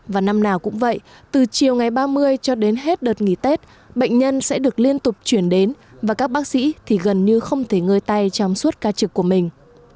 và năm nào cũng vậy từ chiều ngày ba mươi cho đến hết đợt nghỉ tết bệnh nhân sẽ được liên tục chuyển đến và các bác sĩ thì gần như không thể ngơi tay trong suốt ca trực của mình